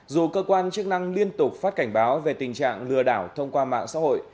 dù cơ quan chức năng liên tục phát cảnh báo về tình trạng lừa đảo thông qua mạng xã hội